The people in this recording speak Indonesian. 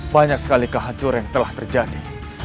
banyak sekali kehancuran yang telah terjadi